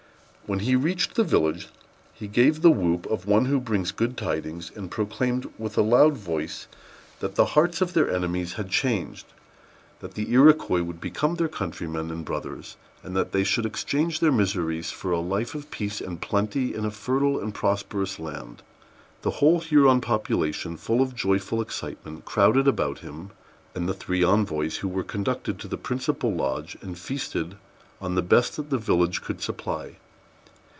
When he reached the village, he gave the whoop of one who brings good tidings, and proclaimed with a loud voice that the hearts of their enemies had changed, that the Iroquois would become their countrymen and brothers, and that they should exchange their miseries for a life of peace and plenty in a fertile and prosperous land. The whole Huron population, full of joyful excitement, crowded about him and the three envoys, who were conducted to the principal lodge, and feasted on the best that the village could supply.